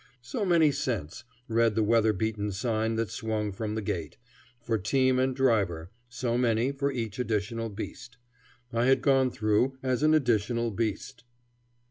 So many cents, read the weather beaten sign that swung from the gate, for team and driver, so many for each additional beast. I had gone through as an additional beast.